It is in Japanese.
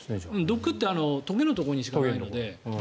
毒ってとげのところにしかないので。